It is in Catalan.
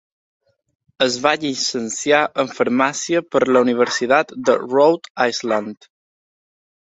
Es va llicenciar en Farmàcia per la Universitat de Rhode Island.